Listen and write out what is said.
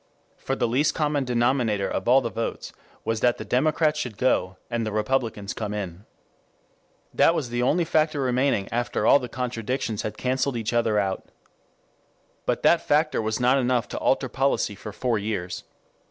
For the least common denominator of all the votes was that the Democrats should go and the Republicans come in. That was the only factor remaining after all the contradictions had cancelled each other out. But that factor was enough to alter policy for four years.